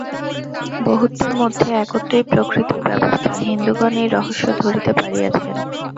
বহুত্বের মধ্যে একত্বই প্রকৃতির ব্যবস্থা, হিন্দুগণ এই রহস্য ধরিতে পারিয়াছেন।